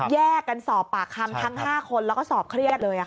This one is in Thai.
แยกกันสอบปากคำทั้ง๕คนแล้วก็สอบเครียดเลย